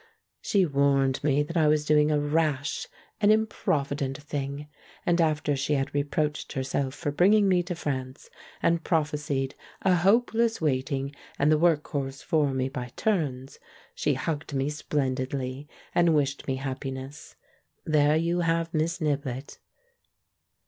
She warned me that I was do ing a rash, an improvident thing. And after she had reproached herself for bringing me to France, and prophesied a hopeless waiting and the workhouse for me by turns, she hugged me splendidly, and wished me happiness. There you have jNIiss Niblett!